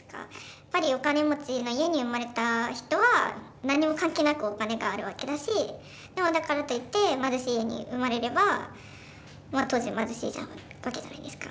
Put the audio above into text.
やっぱりお金持ちの家に生まれた人は何も関係なくお金があるわけだしでもだからといって貧しい家に生まれれば当然貧しいわけじゃないですか。